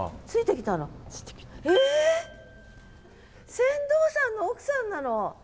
船頭さんの奥さんなの？